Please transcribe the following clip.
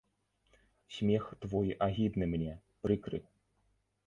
Смех твой агідны мне, прыкры.